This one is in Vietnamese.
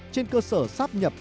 trên cơ sở sáp nhập